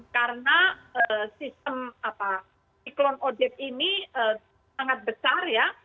karena sistem siklon odet ini sangat besar ya